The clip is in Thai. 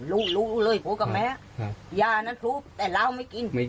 รู้แล้วก็แม้ยานั้นพลู้แต่เรามันไม่กิน